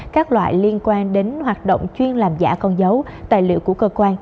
các loại liên quan đến hoạt động chuyên làm giả con dấu tài liệu của cơ quan